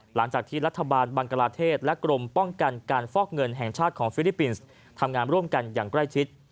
หลังจากที่รัฐบาลบังกลาเทศและกรมป้องกันการฟอกเงินแห่งชาติของฟิลิปปินส์ทำงานร่วมกันอย่างใกล้ชิด